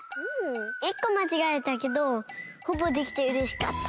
１こまちがえたけどほぼできてうれしかった。